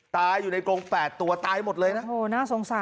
ตายอยู่ในกรงแปดตัวตายหมดเลยนะโอ้โหน่าสงสาร